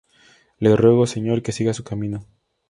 le ruego, señor, que siga su camino.